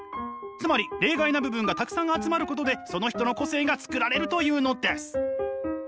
つまり例外な部分がたくさん集まることでその人の個性が作られると言うのです。